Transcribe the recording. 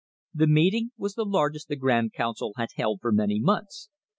The meeting was the largest the Grand Council had held for many months.